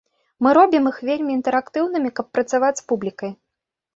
Мы робім іх вельмі інтэрактыўнымі, каб працаваць з публікай.